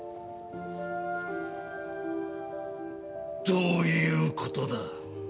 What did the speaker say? どういうことだ？